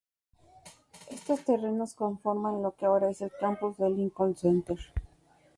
Estos terrenos conforman lo que ahora es el campus de "Lincoln Center".